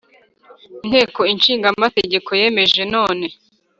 Inteko ishinga amategeko yemeje none